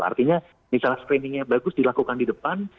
artinya misalnya screeningnya bagus dilakukan di depan